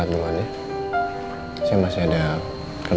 aku janji aku akan jadi istri yang lebih baik lagi buat kamu